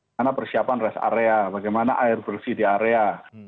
karena persiapan rest area bagaimana air bersih di area